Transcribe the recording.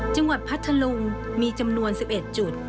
จังหวัดพัทธลุงมีจำนวน๑๑จุด